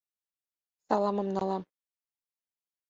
Саламым налам.